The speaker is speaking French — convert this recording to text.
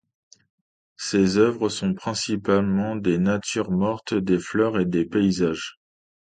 Ses œuvres sont principalement des natures mortes, des fleurs et des paysages.